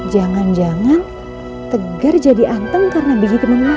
jangan jangan tegar jadi antem karena begitu menangis ini